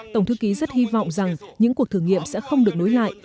tổng thư ký rất hy vọng rằng những cuộc thử nghiệm sẽ không được nối lại